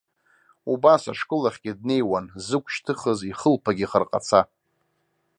Убас ашкол ахьгьы днеиуан, зықә шьҭыхыз ихылԥагь ихарҟаца.